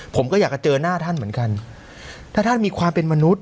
ผมก็อยากจะเจอหน้าท่านเหมือนกันถ้าท่านมีความเป็นมนุษย